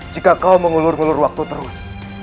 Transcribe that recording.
jika kau mengulur ngulur waktu terus